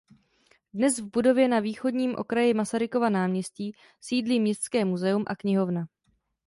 Dnes v budově na východním okraji Masarykova náměstí sídlí městské muzeum a knihovna.